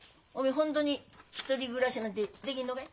本当に１人暮らしなんてできんのがい？